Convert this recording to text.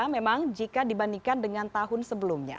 memang jika dibandingkan dengan tahun sebelumnya